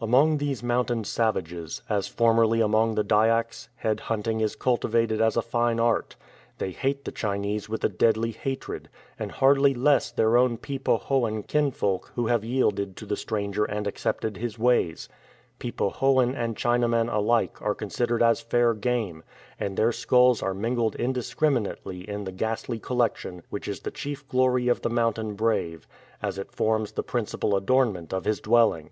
Among these mountain savages, as formerly among the Dyaks, head hunting is cultivated as a fine art. They hate the Chinese with a deadly hatred, and hardly less their own Pe po hoan kinsfolk who have yielded to the stranger and accepted his ways. Pe po hoan and Chinaman alike are considered as fair game, and their skulls are mingled indiscriminately in the ghastly collection which is the chief glory of the mountain brave, as it forms the principal adornment of his dwelling.